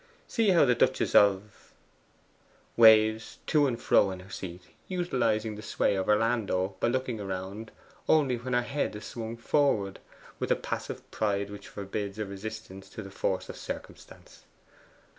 See how the Duchess of waves to and fro in her seat, utilizing the sway of her landau by looking around only when her head is swung forward, with a passive pride which forbids a resistance to the force of circumstance.